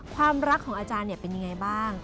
ความรักของอาจารย์เป็นยังไงบ้าง